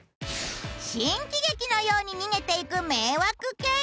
新喜劇のように逃げていく迷惑系。